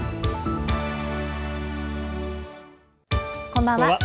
こんばんは。